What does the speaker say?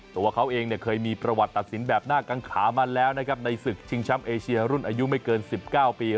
ตัวเขาเองเคยมีประวัติตัดสินแบบหน้ากังขามาแล้วนะครับในศึกชิงแชมป์เอเชียรุ่นอายุไม่เกิน๑๙ปี